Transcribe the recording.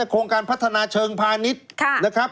โครงการพัฒนาเชิงพาณิชย์